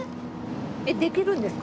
えっできるんですか？